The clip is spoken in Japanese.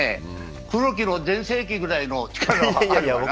黒木の全盛期ぐらいの力はあるかな。